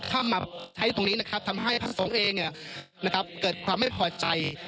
เข้ามาใช้ตรงนี้นะครับทำให้พระสงฆ์เองเกิดความไม่พอใจ